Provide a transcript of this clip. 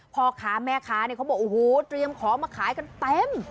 พ่อค้าแม่ค้าเนี่ยเขาบอกโอ้โหเตรียมของมาขายกันเต็ม